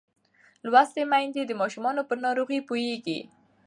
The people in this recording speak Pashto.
لوستې میندې د ماشوم پر ناروغۍ پوهېږي.